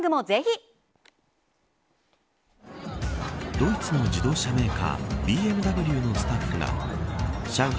ドイツの自動車メーカーＢＭＷのスタッフが上海